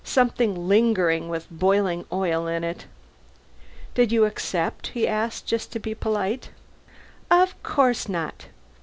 Something lingering, with boiling oil in it. "Did you accept?" he asked, just to be polite. "Of course not!